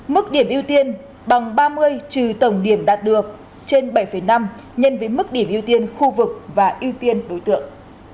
mức điểm ưu tiên bằng ba mươi trừ tổng điểm đạt được trên bảy năm nhân với mức điểm ưu tiên khu vực và ưu tiên đối tượng